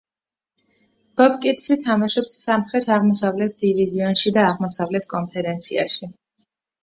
ბობკეტსი თამაშობს სამხრეთ-აღმოსავლეთ დივიზიონში და აღმოსავლეთ კონფერენციაში.